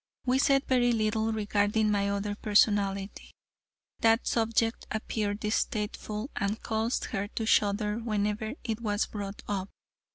We said very little regarding my other personality. That subject appeared distasteful, and caused her to shudder whenever it was brought up.